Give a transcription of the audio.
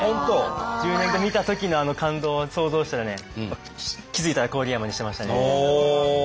１０年後見たときのあの感動を想像したらね気付いたら郡山にしてましたね。